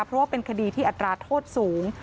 เพราะว่าเป็นคดีที่อัตราโทษสูง